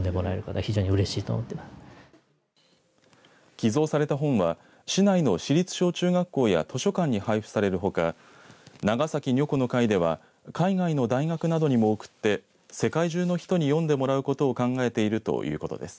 寄贈された本は市内の市立小中学校や図書館に配布されるほか長崎如己の会では海外の大学などにも贈って世界中の人に読んでもらうことを考えているということです。